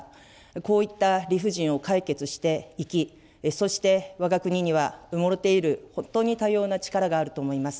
こういった理不尽を解決していき、そしてわが国には、埋もれている、本当に多様な力があると思います。